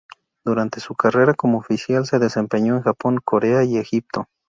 Durante su carrera como oficial se desempeñó en Japón, Corea y Egipto.